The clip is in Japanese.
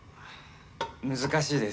難しいです。